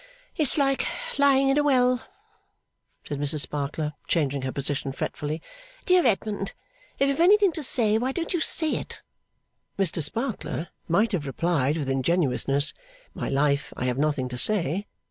'It's like lying in a well,' said Mrs Sparkler, changing her position fretfully. 'Dear me, Edmund, if you have anything to say, why don't you say it?' Mr Sparkler might have replied with ingenuousness, 'My life, I have nothing to say.